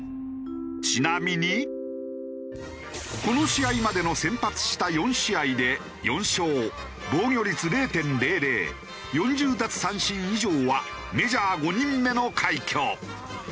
この試合までの先発した４試合で４勝防御率０．００４０奪三振以上はメジャー５人目の快挙。